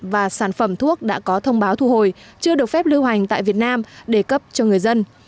và sản phẩm thuốc đã có thông báo thu hồi chưa được phép lưu hành tại việt nam để cấp cho người dân